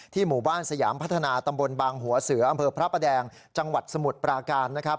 หมู่บ้านสยามพัฒนาตำบลบางหัวเสืออำเภอพระประแดงจังหวัดสมุทรปราการนะครับ